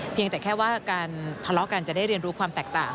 เพียงแต่แค่ว่าการทะเลาะกันจะได้เรียนรู้ความแตกต่าง